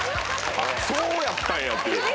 あっそうやったんやっていう。